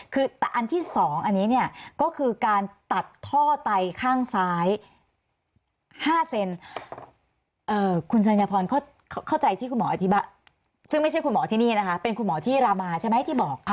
คือแต่อันที่๒อันนี้เนี่ยก็คือการตัดท่อไตข้างซ้าย๕เซนคุณสัญพรเข้าใจที่คุณหมออธิบายซึ่งไม่ใช่คุณหมอที่นี่นะคะเป็นคุณหมอที่รามาใช่ไหมที่บอก